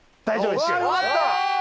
大丈夫？